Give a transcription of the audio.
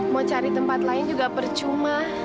mau cari tempat lain juga percuma